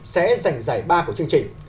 sẽ giành giải ba của chương trình